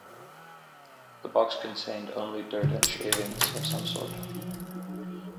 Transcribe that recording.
The box contained only dirt and shavings of some sort.